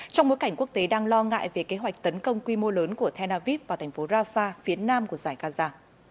trong mối cảnh quốc tế đang lo ngại về kế hoạch tấn công quy mô lớn của tenaviv vào thành phố rafah phía nam của giải gaza